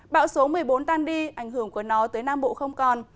bão số một mươi bốn tan đi ảnh hưởng của nó tới nam bộ không còn